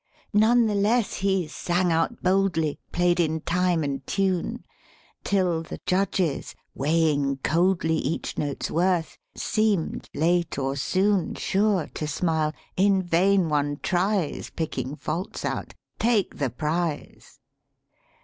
None the less he sang out boldly, Played in time and tune, Till the judges, weighing coldly Each note's worth, seemed, late or soon, Sure to smile ' In vain one tries Picking faults out: take the prize!'